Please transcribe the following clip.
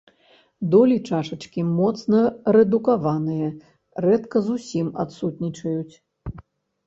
Долі чашачкі моцна рэдукаваныя, рэдка зусім адсутнічаюць.